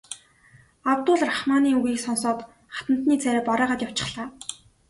Абдул Рахманы үгийг сонсоод хатантны царай барайгаад явчихлаа.